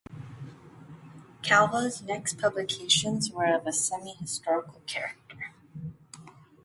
Calvo's next publications were of a semi-historical character.